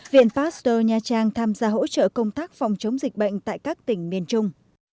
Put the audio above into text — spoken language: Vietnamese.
viện pasteur nha trang tham gia hỗ trợ công tác phòng chống dịch bệnh tại các tỉnh miền trung